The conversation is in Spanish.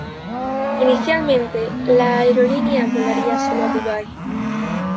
Inicialmente, la aerolínea volaría solo a Dubái.